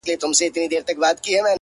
ن و _ قاف و _ يې و _ بې ښايسته تورې _